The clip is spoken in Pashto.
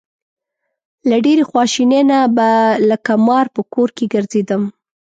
له ډېرې خواشینۍ نه به لکه مار په کور کې ګرځېدم.